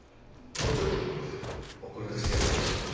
気持ち良く送り出してやらないと。